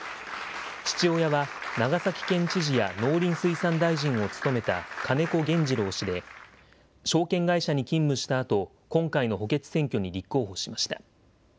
父親は長崎県知事や農林水産大臣を務めた金子原二郎氏で、証券会社に勤務したあと、今回の補欠選挙に立候補しました。